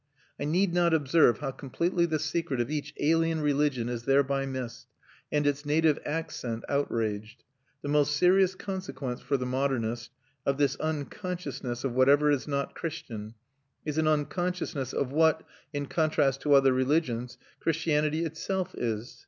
I need not observe how completely the secret of each alien religion is thereby missed and its native accent outraged: the most serious consequence, for the modernist, of this unconsciousness of whatever is not Christian is an unconsciousness of what, in contrast to other religions, Christianity itself is.